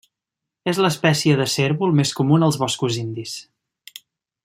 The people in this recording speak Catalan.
És l'espècie de cérvol més comuna als boscos indis.